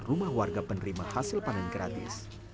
rumah warga penerima hasil panen gratis